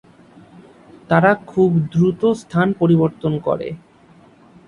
তারা খুব দ্রুত স্থান পরিবর্তন করে।